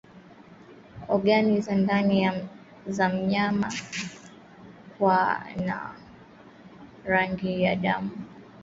Ogani za ndani za mnyama kuwa na rangi ya damu